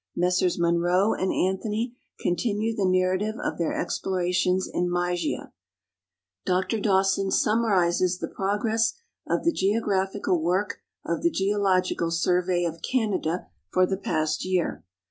Messrs Munro and Anthony continue the narrative of their explorations in Mysia. Dr Dawson summarizes the progress of the geographical work of the Geological Survey of Canada for the past year.